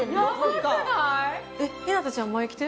日向ちゃん、前に来て。